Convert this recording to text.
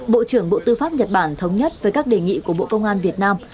bộ trưởng bộ tư pháp nhật bản thống nhất với các đề nghị của bộ công an việt nam